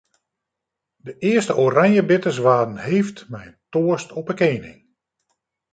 De earste oranjebitters waarden heefd mei in toast op 'e kening.